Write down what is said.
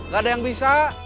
gak ada yang bisa